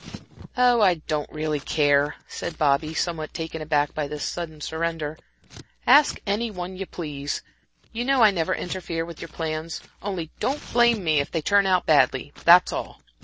"Oh, I don't really care," said Bobby, somewhat taken aback by this sudden surrender. "Ask any one you please. You know I never interfere with your plans. Only don't blame me if they turn out badly that's all."